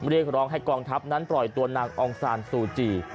เรียกร้องให้กองทัพนั้นปล่อยตัวนางองซานซูจี